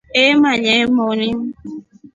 Eemanya moni.